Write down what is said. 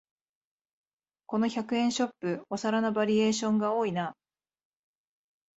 この百円ショップ、お皿のバリエーションが多いな